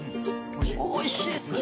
おいしいっすね。